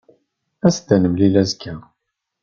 As-d ad nemlil azekka.